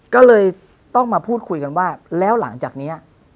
ก็เลยต้องมาพูดคุยกันว่าแล้วหลังจากนี้